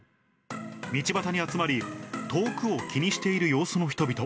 道端に集まり、遠くを気にしている様子の人々。